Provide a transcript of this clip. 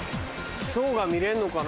ショーが見れんのかな？